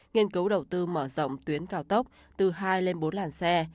nghiên cứu đầu tư mở rộng tuyến cao tốc từ hai lên bốn làn xe